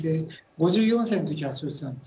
５４歳の時発症したんですね。